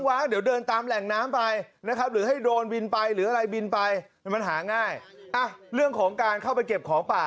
อันนั้นก็ต้นไม้ครับ